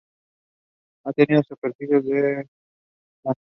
Sea.